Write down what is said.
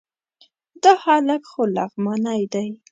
دا هلک خو لغمانی دی...